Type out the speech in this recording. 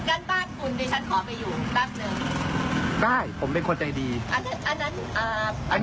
อันนั้นผมเป็นคนใจดีผมเป็นคนมีแม้ตาต่อคนทั่วไปนะครับ